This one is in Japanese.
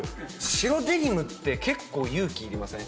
白デニムって結構勇気いりません？